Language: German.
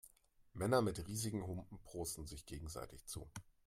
Männer mit riesigen Humpen prosteten sich gegenseitig zu.